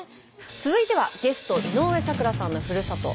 続いてはゲスト井上咲楽さんのふるさと